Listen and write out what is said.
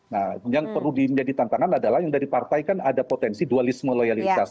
nah yang perlu menjadi tantangan adalah yang dari partai kan ada potensi dualisme loyalitas